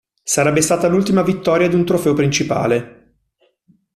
Sarebbe stata l'ultima vittoria di un trofeo principale.